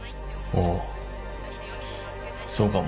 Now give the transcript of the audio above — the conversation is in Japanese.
ああそうかも。